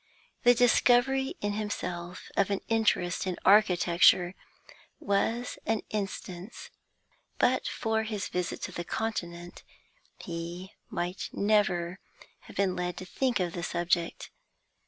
The discovery in himself of an interest in architecture was an instance; but for his visit to the Continent he might never have been led to think of the subject.